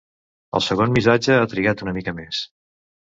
El segon missatge ha trigat una mica més.